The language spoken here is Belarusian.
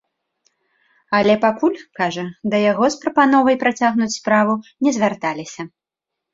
Але пакуль, кажа, да яго з прапановай працягнуць справу не звярталіся.